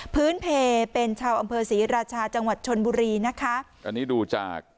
เพลเป็นชาวอำเภอศรีราชาจังหวัดชนบุรีนะคะอันนี้ดูจาก